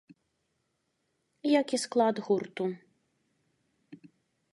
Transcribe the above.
Як і склад гурту.